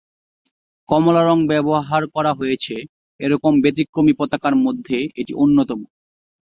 কমলা রঙ ব্যবহার করা হয়েছে, এরকম ব্যতিক্রমী পতাকার মধ্যে এটি অন্যতম।